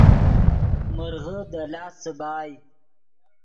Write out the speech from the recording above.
مرغے دے لاست څیبائے